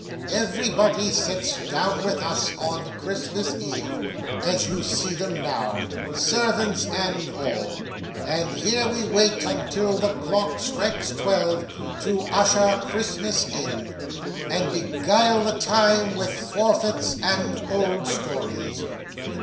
'Everybody sits down with us on Christmas Eve, as you see them now servants and all; and here we wait, until the clock strikes twelve, to usher Christmas in, and beguile the time with forfeits and old stories.